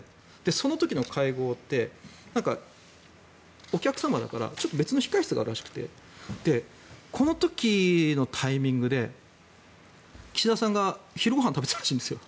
その時の会合ってお客様だから別の控え室があるらしくてこの時のタイミングで岸田さんが昼ご飯を食べてたらしいんですよ。